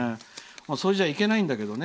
それじゃあいけないんだけどね。